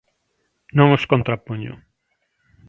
Non os contrapoño.